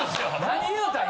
何言うた？